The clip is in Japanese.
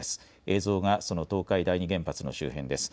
映像がその東海第二原発の周辺です。